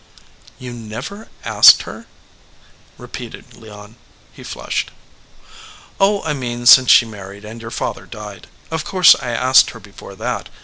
"You never asked her?" repeated Leon. He flushed. "Oh, I mean since she married and your father died. Of course I asked her before that.